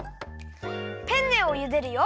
ペンネをゆでるよ！